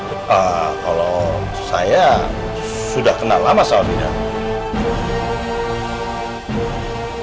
eee kalau saya sudah kenal lama sama bidan